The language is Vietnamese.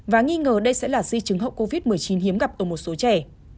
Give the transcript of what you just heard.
và nghi ngờ đây sẽ là di chứng hậu covid một mươi chín hiếm gặp ở một số trẻ